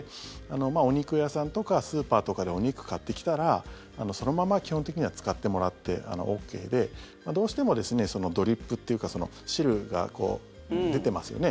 お肉屋さんとかスーパーとかでお肉買ってきたらそのまま基本的には使ってもらってＯＫでどうしてもドリップっていうか汁が出てますよね。